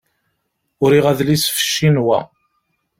Uriɣ adlis ɣef Cinwa.